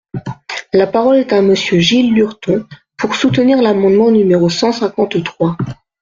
La parole est à Monsieur Gilles Lurton, pour soutenir l’amendement numéro cent cinquante-trois.